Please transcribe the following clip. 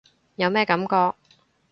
有咩感覺？